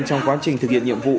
trong quá trình thực hiện nhiệm vụ